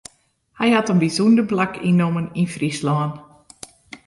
Hy hat in bysûnder plak ynnommen yn Fryslân.